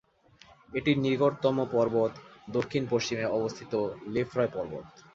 এটির নিকটতম পর্বত, দক্ষিণ পশ্চিমে অবস্থিত লেফ্রয় পর্বত।